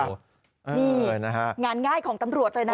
นี่นะฮะงานง่ายของตำรวจเลยนะ